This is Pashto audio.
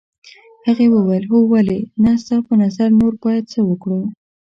هغې وویل هو ولې نه ستا په نظر نور باید څه وکړو.